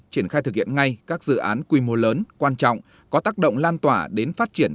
triển khai thực hiện ngay các dự án quy mô lớn quan trọng có tác động lan tỏa đến phát triển